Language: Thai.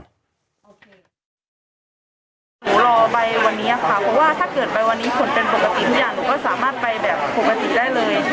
หนูรอไปวันนี้ค่ะเพราะว่าถ้าเกิดไปวันนี้ผลเป็นปกติทุกอย่างหนูก็สามารถไปแบบปกติได้เลย